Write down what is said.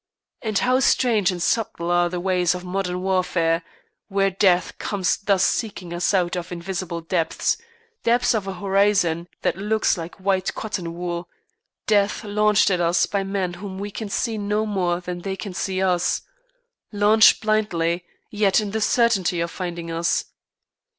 And how strange and subtle are the ways of modern warfare, where death comes thus seeking us out of invisible depths, depths of a horizon that looks like white cotton wool; death launched at us by men whom we can see no more than they can see us, launched blindly, yet in the certainty of finding us.